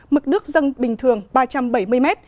mực nước dân bình thường ba trăm bảy mươi m